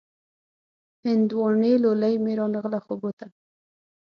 هندواڼۍ لولۍ مې را نغله خوبو ته